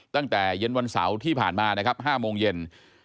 ตั้งแต่เย็นวันเสาร์ที่ผ่านมานะครับ๕โมงเย็น